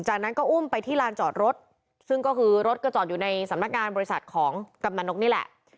จากนั้นก็อุ้มไปที่ลานจอดรถซึ่งก็คือรถก็จอดอยู่ในสำนักงานบริษัทของกำนันนกนี่แหละ